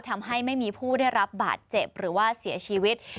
ทำให้ไม่มีผู้ได้รับบาดเจ็บหรือว่าเสียชีวิต